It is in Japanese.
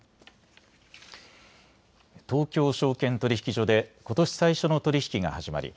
東京証券取引所でことし最初の取り引きが始まり